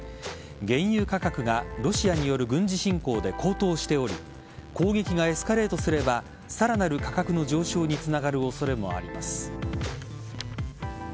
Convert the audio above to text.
原油価格がロシアによる軍事侵攻で高騰しており攻撃がエスカレートすればさらなる価格の上昇につながる恐れもあります。